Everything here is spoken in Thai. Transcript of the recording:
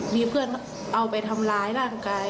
มีเพื่อนเอาไปทำร้ายร่างกาย